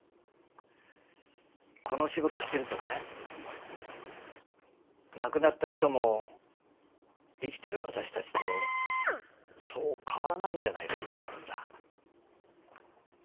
この仕事してるとね亡くなった人も生きてる私たちとそう変わらないんじゃないかって思うんだ。